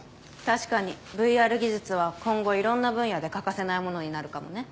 確かにＶＲ技術は今後いろんな分野で欠かせないものになるかもね。